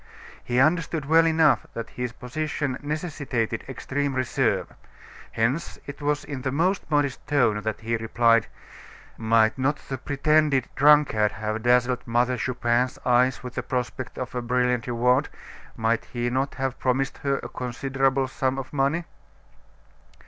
He understood well enough that his position necessitated extreme reserve; hence, it was in the most modest tone that he replied: "Might not the pretended drunkard have dazzled Mother Chupin's eyes with the prospect of a brilliant reward? Might he not have promised her a considerable sum of money?"